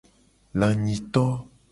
Lanyito.